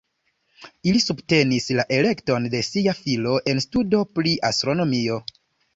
Ili subtenis la elekton de sia filo en studo pri astronomio.